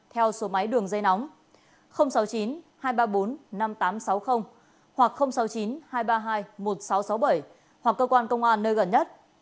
theo số máy đường dây nóng sáu mươi chín hai trăm ba mươi bốn năm nghìn tám trăm sáu mươi hoặc sáu mươi chín hai trăm ba mươi hai một nghìn sáu trăm sáu mươi bảy hoặc cơ quan công an nơi gần nhất